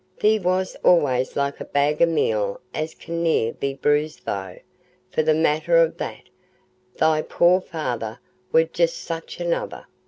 Thee wast allays like a bag o' meal as can ne'er be bruised—though, for the matter o' that, thy poor feyther war just such another.